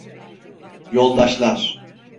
Yoldaşlar!